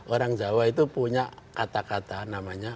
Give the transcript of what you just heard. orang jawa itu punya kata kata namanya